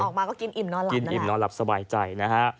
ออกมาก็กินอิ่มนอนหลับกินอิ่มนอนหลับสบายใจนะฮะ